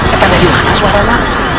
ada dimana suaranya